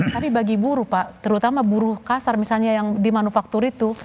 tapi bagi buruh pak terutama buruh kasar misalnya yang di manufaktur itu